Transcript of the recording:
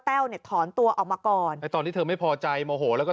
เนี่ยถอนตัวออกมาก่อนไอ้ตอนที่เธอไม่พอใจโมโหแล้วก็